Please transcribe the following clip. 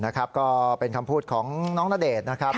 นะครับก็เป็นคำพูดของน้องณเดชน์นะครับ